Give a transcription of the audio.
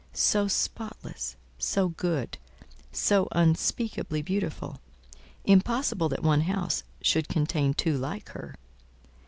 "So spotless, so good, so unspeakably beautiful! impossible that one house should contain two like her.